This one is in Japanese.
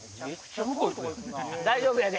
大丈夫やで？